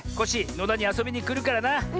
野田にあそびにくるからな。